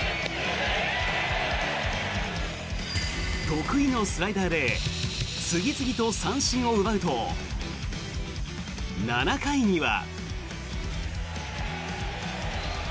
得意のスライダーで次々と三振を奪うと７回には。